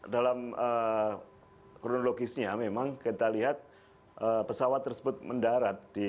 dalam kronologisnya memang kita lihat pesawat tersebut mendarat